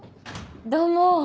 どうも。